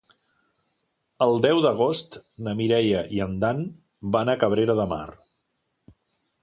El deu d'agost na Mireia i en Dan van a Cabrera de Mar.